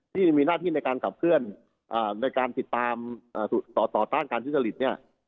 ที่มีหน้าที่ในการขับเคลื่อนในการติดตามต่อต้านการทุจริตเนี่ย